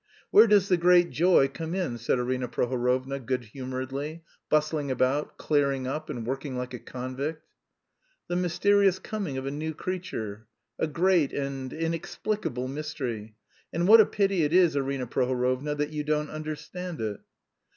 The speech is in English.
"Where does the great joy come in?" said Arina Prohorovna good humouredly, bustling about, clearing up, and working like a convict. "The mysterious coming of a new creature, a great and inexplicable mystery; and what a pity it is, Arina Prohorovna, that you don't understand it."